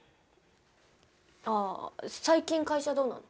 あ最近会社どうなの？